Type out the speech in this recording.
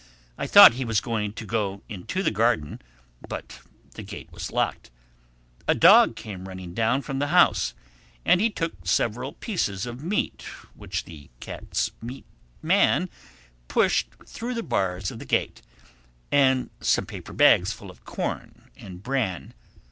I thought he was going to go into the garden; but the gate was locked. A dog came running down from the house; and he took several pieces of meat which the cat's meat man pushed through the bars of the gate, and some paper bags full of corn and bran.